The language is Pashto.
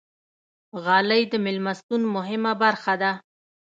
غالۍ د میلمستون مهمه برخه ده.